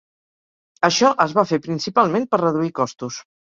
Això es va fer principalment per reduir costos.